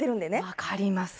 分かります。